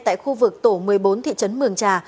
tại khu vực tổ một mươi bốn thị trấn mường trà